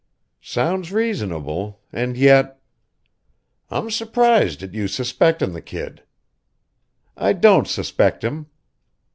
"Sounds reasonable; and yet " "I'm surprised at you suspectin' the kid." "I don't suspect him."